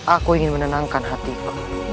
aku ingin menenangkan hatiku